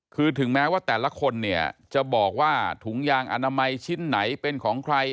คือถึงแม้ว่าแต่ละคนเนี่ยจะบอกว่าถุงยางอนามัยชิ้นไหนเป็นของใคร